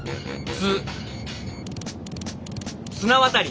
つ綱渡り。